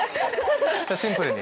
シンプルに。